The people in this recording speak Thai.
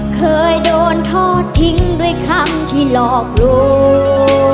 เคยโดนทอดทิ้งด้วยคำที่หลอกลวง